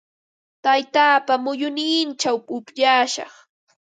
Taytaapa muyunninchaw upyashaq.